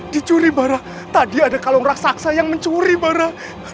dicuri bara tadi ada kalung raksasa yang mencuri bara